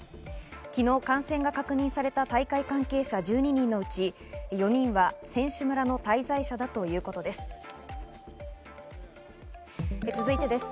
昨日感染が確認された大会関係者１２人のうち４人は選手村の滞在者だということです。